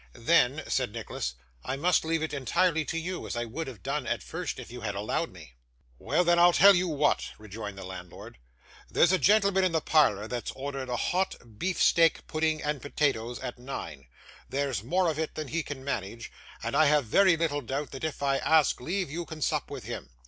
'Then,' said Nicholas, 'I must leave it entirely to you, as I would have done, at first, if you had allowed me.' 'Why, then I'll tell you what,' rejoined the landlord. 'There's a gentleman in the parlour that's ordered a hot beef steak pudding and potatoes, at nine. There's more of it than he can manage, and I have very little doubt that if I ask leave, you can sup with him.